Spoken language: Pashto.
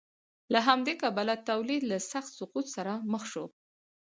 له همدې کبله تولید له سخت سقوط سره مخ شو.